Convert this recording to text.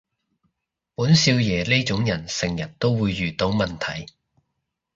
本少爺呢種人成日都會遇到問題